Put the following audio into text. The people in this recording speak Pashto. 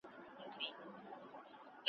قاتلان به گرځي سرې سترگي په ښار كي `